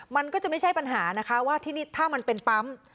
มันก็จะไม่ใช่ปัญหานะคะว่าที่นี่ถ้ามันเป็นปั๊ม